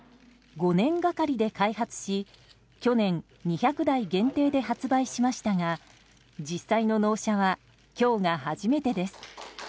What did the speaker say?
５年がかりで開発し去年２００台限定で発売しましたが実際の納車は今日が初めてです。